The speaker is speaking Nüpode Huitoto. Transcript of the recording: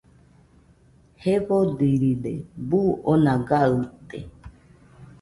Jefodiride, buu oona gaɨte